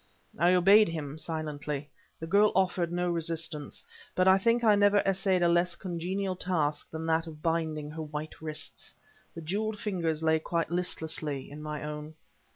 I obeyed him, silently. The girl offered no resistance, but I think I never essayed a less congenial task than that of binding her white wrists. The jeweled fingers lay quite listlessly in my own.